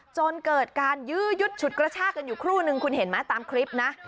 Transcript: จนเกิดการยื้อยุดฉุดกระชากันอยู่ครู่นึงคุณเห็นไหมตามคลิปนะ